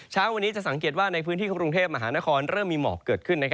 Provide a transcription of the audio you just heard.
เช้าวันนี้จะสังเกตว่าในพื้นที่กรุงเทพมหานครเริ่มมีหมอกเกิดขึ้น